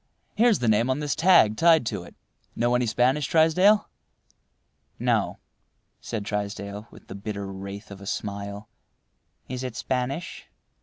Here's the name on this tag tied to it. Know any Spanish, Trysdale?" "No," said Trysdale, with the bitter wraith of a smile—"Is it Spanish?"